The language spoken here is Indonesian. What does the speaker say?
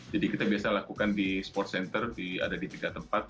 jadi kita biasa lakukan di sports center ada di tiga tempat